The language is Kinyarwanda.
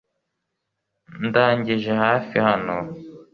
Ndangije hafi hano .